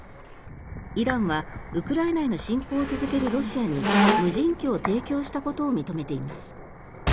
イランはウクライナへの侵攻を続けるロシアに無人機を提供したことを認めています。